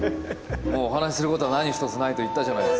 もうお話しすることは何ひとつないと言ったじゃないですか。